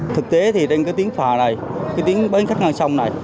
thế thì trên cái tiếng phà này cái tiếng bến khách ngang sông này